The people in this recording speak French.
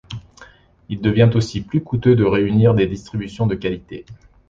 Il devient aussi plus coûteux de réunir des distributions de qualité.